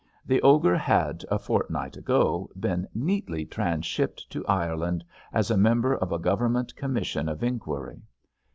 The "Ogre" had, a fortnight ago, been neatly transhipped to Ireland as a member of a Government commission of inquiry.